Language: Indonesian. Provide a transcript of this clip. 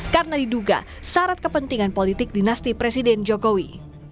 karena diduga syarat kepentingan politik dinasti presiden jokowi